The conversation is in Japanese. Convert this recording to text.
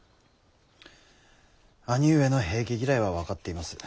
兄上の平家嫌いは分かっています。